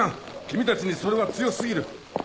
君たちにそれは強過ぎる！